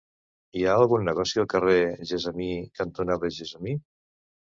Hi ha algun negoci al carrer Gessamí cantonada Gessamí?